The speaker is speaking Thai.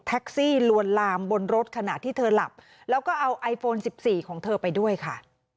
ลวนลามบนรถขณะที่เธอหลับแล้วก็เอาไอโฟน๑๔ของเธอไปด้วยค่ะ